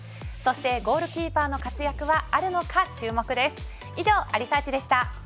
そして、ゴールキーパーの活躍はあるのか注目です。